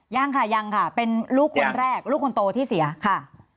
ยังค่ะยังค่ะเป็นลูกคนแรกลูกคนโตที่เสียค่ะ